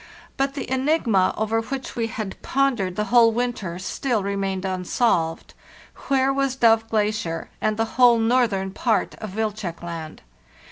But the enig ma over which we had pondered the whole winter still remained unsolved. Where was Dove Glacier and the whole northern part of Wilczek Land?